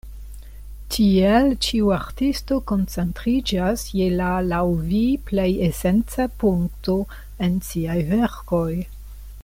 Tiel ĉiu artisto koncentriĝas je la laŭ vi plej esenca punkto en siaj verkoj.